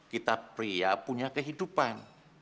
kita pria punya kehidupan